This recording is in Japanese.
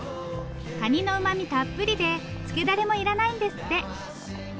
カニのうまみたっぷりでつけダレもいらないんですって。